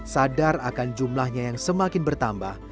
sadar akan jumlahnya yang semakin bertambah